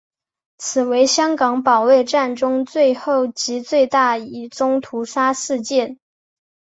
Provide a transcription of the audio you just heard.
此为香港保卫战中最后及最大一宗屠杀事件。